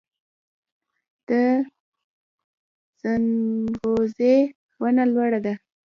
د ځنغوزي ونه لوړه ده